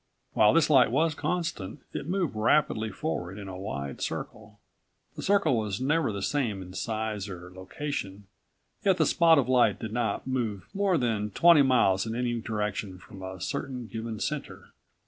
While this light was constant, it moved rapidly forward in a wide circle. The circle was never the same in size or location, yet the spot of light did not move more than twenty miles in any direction from a certain given center.